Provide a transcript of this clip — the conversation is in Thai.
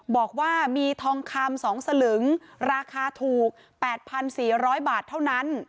บอกว่ามีทองคำ๒สลึงราคาถูก๘๔๐๐บาทเท่านั้น